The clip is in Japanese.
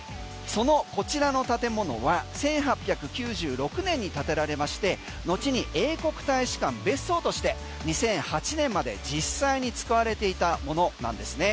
こちらの建物は１８９６年に建てられましてのち英国大使館別荘として２００８年まで実際に使われていたものなんですね。